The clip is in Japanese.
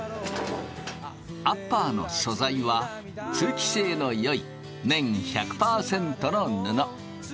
アッパーの素材は通気性のよい綿１００％の布。